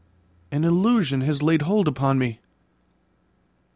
An illusion has laid hold upon me.